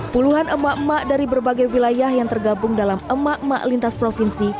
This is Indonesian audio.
puluhan emak emak dari berbagai wilayah yang tergabung dalam emak emak lintas provinsi